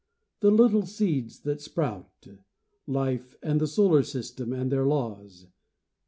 The little seeds that sprout, Life, and the solar system, and their laws.